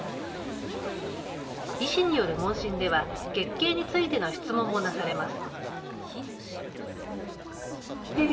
医師による問診では、月経についての質問もなされます。